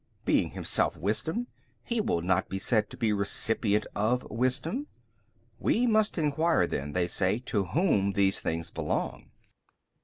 being Himself Wisdom, He will not be said to be recipient of wisdom 55. We must enquire then, they say, to whom these things belong.